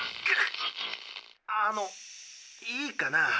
あのいいかな？